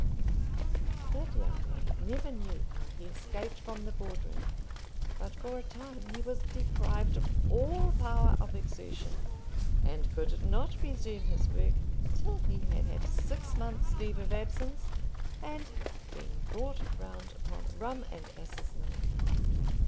That young man never knew how he escaped from the Board room; but for a time he was deprived of all power of exertion, and could not resume his work till he had had six months' leave of absence, and been brought round upon rum and asses' milk.